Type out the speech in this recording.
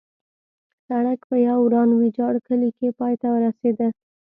سړک په یو وران ویجاړ کلي کې پای ته رسېده.